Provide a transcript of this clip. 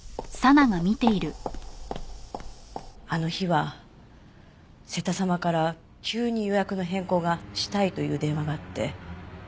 あの日は瀬田様から急に予約の変更がしたいという電話があって。